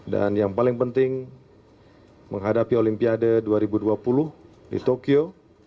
dan yang paling penting menghadapi olimpiade dua ribu dua puluh di tokyo